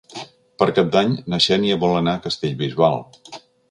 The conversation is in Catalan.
Per Cap d'Any na Xènia vol anar a Castellbisbal.